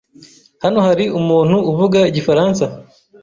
Hano hari umuntu uvuga igifaransa?